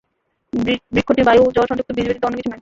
বৃক্ষটি বায়ু ও জল-সংযুক্ত বীজ ব্যতীত অন্য কিছু নয়।